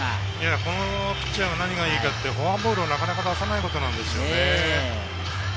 このピッチャーの何がいいってフォアボールをなかなか出さないことなんですよね。